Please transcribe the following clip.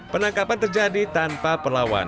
penangkapan terjadi tanpa penyelesaian